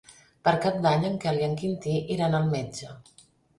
Per Cap d'Any en Quel i en Quintí iran al metge.